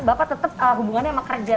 bapak tetep hubungannya sama kerajaan